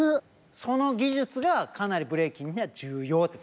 その技術がかなりブレイキンには重要ってことなんだ？